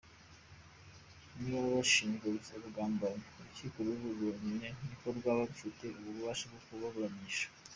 Niba bashinjwa ubugambanyi, urukiko rukuru rwonyine ni rwo rwaba rufite ububasha bwo kubaburanisha.